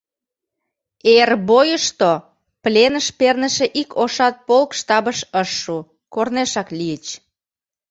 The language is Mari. Эр бойышто пленыш перныше ик ошат полк штабыш ыш шу: корнешак лийыч...